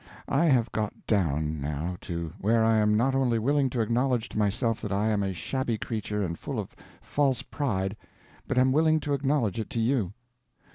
I have got down, now, to where I am not only willing to acknowledge to myself that I am a shabby creature and full of false pride, but am willing to acknowledge it to you.